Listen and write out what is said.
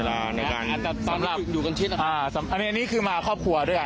อันนี้คือมาครอบครัวด้วยอ่ะ